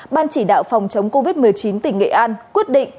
ban chỉ đạo phòng chống covid một mươi chín tỉnh nghệ an quyết định